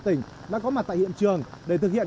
tỉnh đã có mặt tại hiện trường để thực hiện